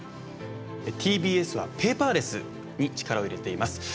ＴＢＳはペーパーレスに力を入れています。